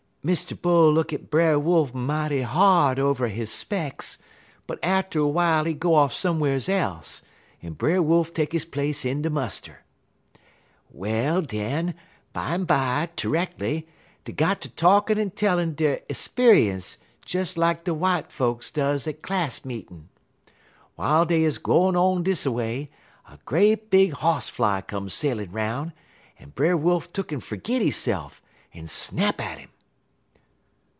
"Mr. Bull look at Brer Wolf mighty hard over his specks, but atter a w'ile he go off some'rs else, en Brer Wolf take his place in de muster. "Well, den, bimeby, terreckerly, dey got ter talkin' en tellin' der 'sperence des like de w'ite folks does at class meetin'. W'iles dey 'uz gwine on dis a way, a great big hoss fly come sailin' 'roun', en Brer Wolf tuck'n fergit hisse'f, en snap at 'im.